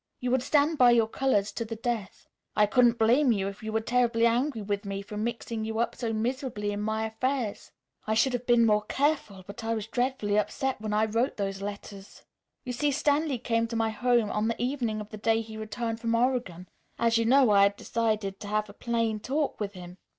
"You would stand by your colors to the death. I couldn't blame you if you were terribly angry with me for mixing you up so miserably in my affairs. I should have been more careful, but I was dreadfully upset when I wrote those letters. You see, Stanley came to my home on the evening of the day he returned from Oregon. As you know, I had decided to have a plain talk with him.